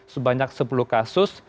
sebanyak sepuluh kasus